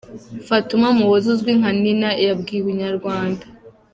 Fatuma Muhoza uzwi nka Nina yabwiye inyarwanda.